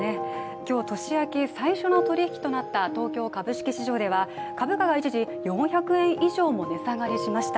今日、年明け最初の取引となった東京株式市場では株価が一時４００円以上も値下がりしました。